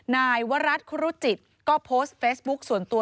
นายวรัฐครุจิตก็โพสต์เฟซบุ๊คส่วนตัว